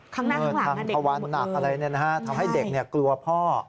ข้างหน้านั่นเด็กนึงหมดเลยนะครับใช่ทำให้เด็กกลัวพ่อ